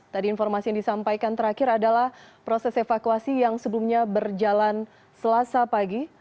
tadi informasi yang disampaikan terakhir adalah proses evakuasi yang sebelumnya berjalan selasa pagi